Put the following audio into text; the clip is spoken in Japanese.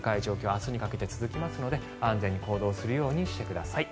明日にかけて続きますので安全に行動するようにしてください。